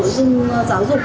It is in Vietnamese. có những kỹ năng sống tốt hơn